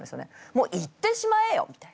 もう行ってしまえよみたいな。